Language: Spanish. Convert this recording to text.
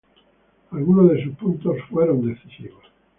Algunos de sus puntos fueron decisivos.